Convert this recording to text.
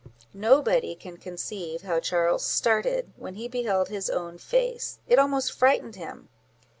Nobody can conceive how Charles started when he beheld his own face; it almost frightened him.